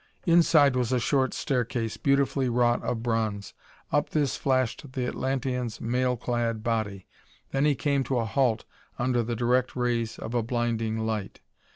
Inside was a short staircase, beautifully wrought of bronze. Up this flashed the Atlantean's mail clad body; then he came to a halt under the direct rays of a blinding light.